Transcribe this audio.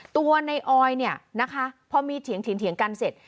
ตัวนายออยนะคะพอมีเถียงกันเสร็จ